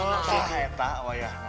boleh pak eh pak wayahna